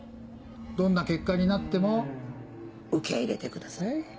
どんな結果になっても受け入れてください。